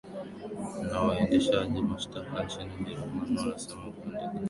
na waendesha mashtaka nchini ujerumani wasema huenda kijana aliyeshambuliwa wana anga wa marekani